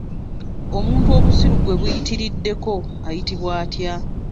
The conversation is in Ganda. Omuntu obusiru gwe buyitiriddeko ayitibwa atya?